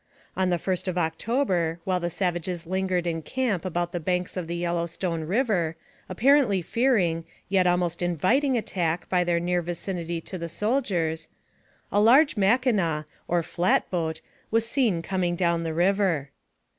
On the first of October, while the savages lingered in camp about the banks of the Yellowstone River, apparently fearing, yet almost inviting attack by their near vicinity to the soldiers, a large Mackinaw, or flat boat, was seen coming down the river.